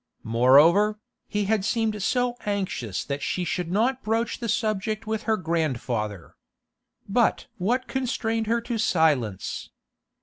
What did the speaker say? Moreover, he had seemed so anxious that she should not broach the subject with her grandfather. But what constrained her to silence?